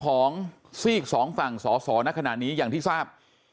ของซีก๒ฝั่งสสณขนาดนี้อย่างที่ทราบ